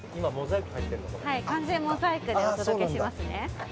完全モザイクでお届けしますね。